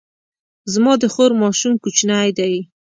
زما د خور ماشوم کوچنی دی